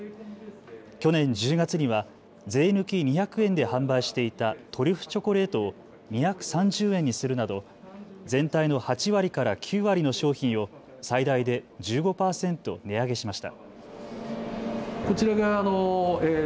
去年１０月には税抜き２００円で販売していたトリュフチョコレートを２３０円にするなど全体の８割から９割の商品を最大で１５％値上げしました。